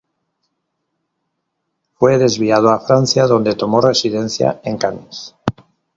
Fue desviado a Francia, donde tomó residencia en Cannes.